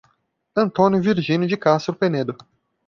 Antônio Virginio de Castro Penedo